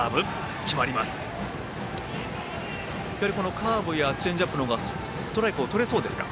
カーブやチェンジアップの方がストライクをとれそうですか。